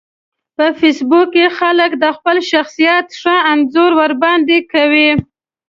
په فېسبوک کې خلک د خپل شخصیت ښه انځور وړاندې کوي